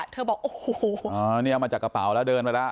บอกโอ้โหนี่เอามาจากกระเป๋าแล้วเดินไปแล้ว